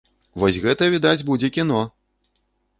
Вось гэта, відаць, будзе кіно!